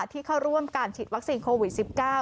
ที่เข้าร่วมการฉีดวัคซีนโควิด๑๙